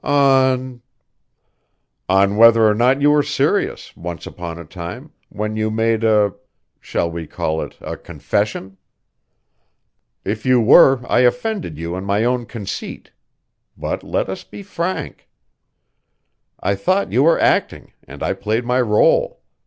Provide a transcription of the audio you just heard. "On " "On whether or not you were serious, once upon a time, when you made a shall we call it a confession? If you were, I offended you in my own conceit, but let us be frank. I thought you were acting, and I played my role.